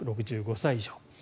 ６５歳以上。